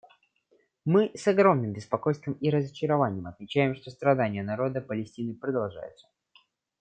Мы с огромным беспокойством и разочарованием отмечаем, что страдания народа Палестины продолжаются.